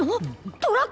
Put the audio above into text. トラックだ！